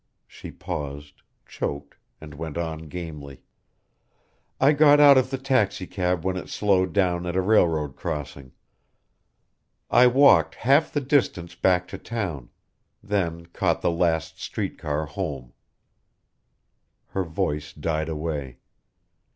She paused choked and went on gamely. "I got out of the taxicab when it slowed down at a railroad crossing. I walked half the distance back to town, then caught the last street car home " Her voice died away.